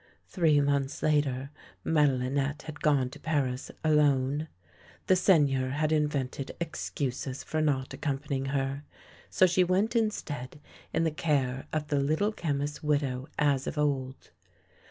Three months later Madelinette had gone to Paris alone. The Seigneur had invented excuses for not accompanying her, so she went instead in the care of the Little Chemist's widow as of old.